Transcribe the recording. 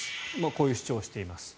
こういう主張をしています。